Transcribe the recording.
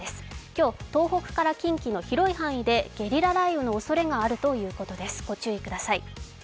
今日、東北から近畿の広い範囲でゲリラ雷雨のおそれがあるということです、ご注意ください。